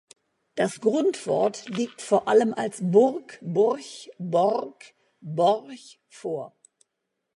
Das Grundwort liegt vor allem als -burg, -burch, -borg, -borch vor.